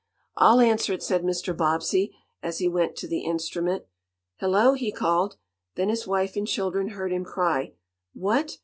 "I'll answer it," said Mr. Bobbsey, as he went to the instrument. "Hello!" he called. Then his wife and children heard him cry: "What!